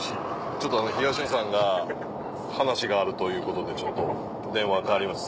ちょっと東野さんが話があるということでちょっと電話代わります